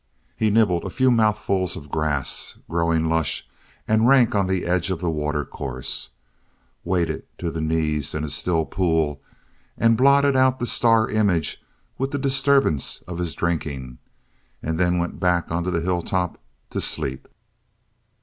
He nibbled a few mouthfuls of grass growing lush and rank on the edge of a watercourse, waded to the knees in a still pool and blotted out the star images with the disturbance of his drinking, and then went back onto a hilltop to sleep.